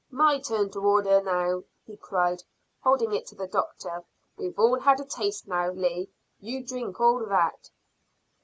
"My turn to order now," he cried, holding it to the doctor. "We've all had a taste now, Lee; you drink all that."